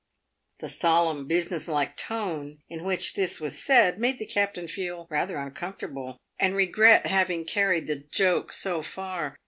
The solemn, business like tone in which this was said made the captain feel rather uncomfortable, and regret having carried the joke so far.